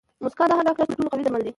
موسکا د هر ډاکټر تر ټولو قوي درمل دي.